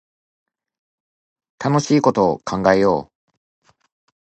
楽しいこと考えよう